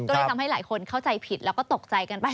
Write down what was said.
ก็เลยทำให้หลายคนเข้าใจผิดแล้วก็ตกใจกันไป